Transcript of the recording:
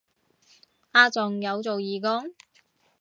啊仲有做義工